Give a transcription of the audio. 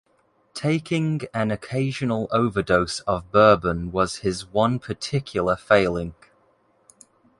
Taking an occasional overdose of Bourbon was his one particular failing.